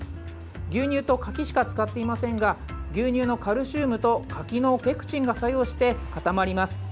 牛乳と柿しか使っていませんが牛乳のカルシウムと柿のペクチンが作用して固まります。